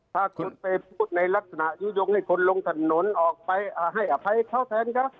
ถ้าคุณไปพูดในลักษณะยุโยงให้คนลงถนนออกไปให้อภัยเขาแทนเขา